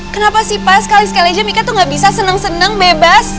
kenapa sih pak sekali sekali aja mika tuh gak bisa seneng seneng bebas